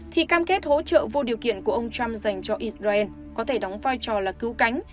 thì cam kết hỗ trợ vô điều kiện của ông trump dành cho israel có thể đóng vai trò là cứu cánh